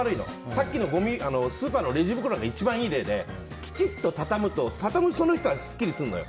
さっきのスーパーのレジ袋が一番いい例で畳むその人はすっきりするのよ。